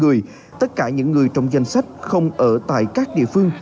người tất cả những người trong danh sách không ở tại các địa phương